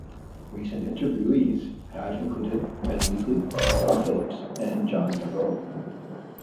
Recent interviewees have included Ben Wheatley, Todd Phillips and Jon Favreau.